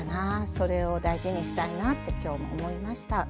それを大事にしたいなってきょう思いました。